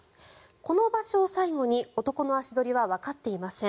この場所を最後に男の足取りはわかっていません。